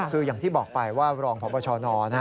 คืออย่างที่บอกไปว่ารองพบชน